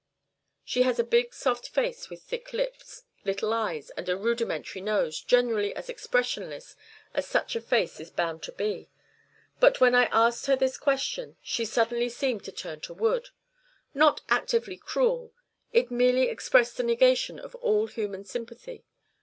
She has a big soft face with thick lips, little eyes, and a rudimentary nose; generally as expressionless as such a face is bound to be. But when I asked her this question it suddenly seemed to turn to wood not actively cruel; it merely expressed the negation of all human sympathy.